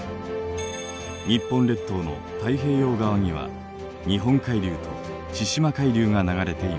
日本列島の太平洋側には日本海流と千島海流が流れています。